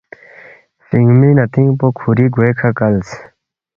فِینگمی نتِنگ پو کھو گوے کھہ کلس